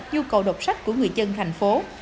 nhu cầu đọc sách của người chân tp hcm